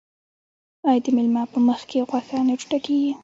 آیا د میلمه په مخکې غوښه نه ټوټه کیږي؟